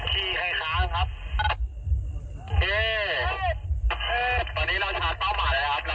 ที่ให้ค้างครับตอนนี้เราชาร์จเป้าหมายแล้วครับ